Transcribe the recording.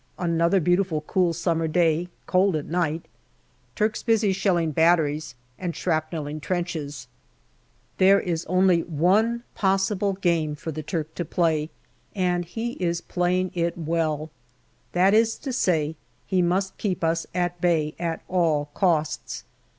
Another beauti ful cool summer day, cold at night. Turks busy shelling batteries and shrapnelling trenches. 262 GALLIPOLI DIARY There is only one possible game for the Turk to play, and he is playing it well. That is to say, he must keep us at bay at all costs.